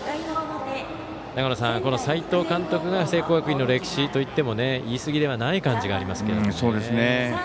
長野さん、斎藤監督が聖光学院の歴史といっても言い過ぎではない感じがありますけども。